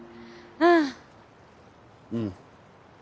うん。